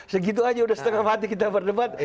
segitu aja udah setengah mati kita berdebat